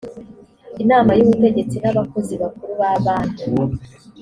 inama y ubutegetsi n abakozi bakuru ba banki